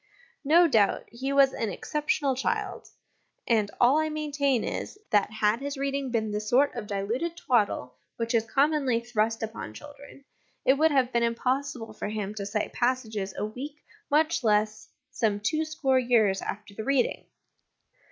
No doubt he was an exceptional child ; and all I maintain is, that had his reading been the sort of diluted twaddle which is commonly thrust upon children, it would have been impossible for him to cite passages a week, much less some two score years, after the reading.